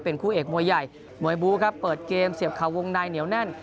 คู่เอกมวยใหญ่มวยบูครับเปิดเกมเสียบข่าววงในเหนียวแน่น